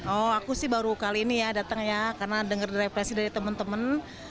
oh aku sih baru kali ini ya datang ya karena dengar represi dari teman teman